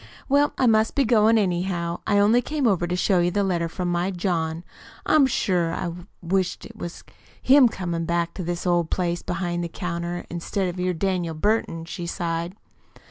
Well, I must be goin', anyhow. I only came over to show you the letter from my John. I'm sure I wish't was him comin' back to his old place behind the counter instead of your Daniel Burton," she sighed.